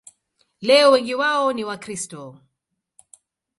Leo wengi wao ni Wakristo.